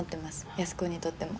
安子にとっても。